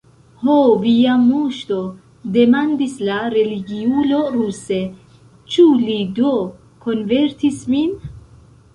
Ho, via moŝto, demandis la religiulo ruse, ĉu li do konvertis vin?